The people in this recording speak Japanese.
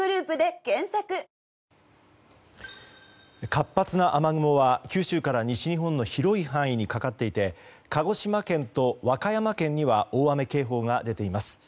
活発な雨雲は、九州から西日本の広い範囲にかかっていて鹿児島県と和歌山県には大雨警報が出ています。